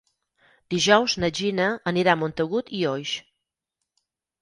Dijous na Gina anirà a Montagut i Oix.